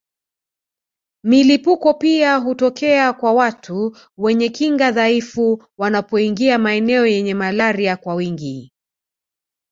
Milipuko pia hutokea kwa watu wenye kinga dhaifu wanapoingia maeneo yenye malaria kwa wingi